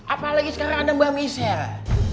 apalagi sekarang ada mba michelle